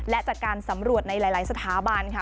และจากการสำรวจในหลายสถาบันค่ะ